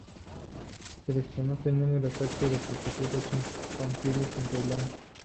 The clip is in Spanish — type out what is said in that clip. Se desconoce el número exacto de prostitutas infantiles en Tailandia.